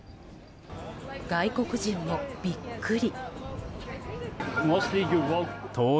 外国人もビックリ。